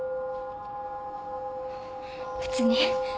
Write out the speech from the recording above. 別に。